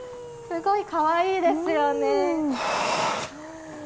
すごいかわいいですよね。